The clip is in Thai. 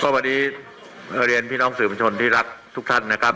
วันนี้เรียนพี่น้องสื่อบัญชนที่รักทุกท่านนะครับ